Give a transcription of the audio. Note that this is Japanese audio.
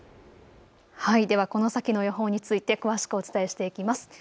この先の予報について詳しくお伝えしていきます。